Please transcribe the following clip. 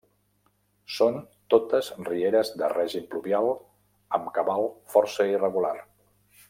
Són totes rieres de règim pluvial amb cabal força irregular.